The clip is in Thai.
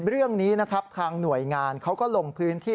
เรื่องนี้นะครับทางหน่วยงานเขาก็ลงพื้นที่